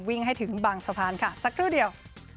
ให้ถึงบางสะพานค่ะสักครู่เดียว